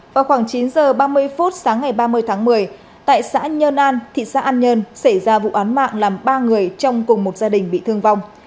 vào khoảng chín h ba mươi phút sáng ngày ba mươi tháng một mươi tại xã nhơn an thị xã an nhơn xảy ra vụ án mạng làm ba người trong cùng một gia đình bị thương vong